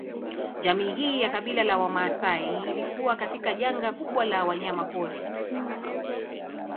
Jamii hii ya kabila la Wamaasai ilikuwa katika janga kubwa la wanyama pori